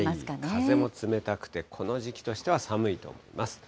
風も冷たくて、この時期としては寒いと思います。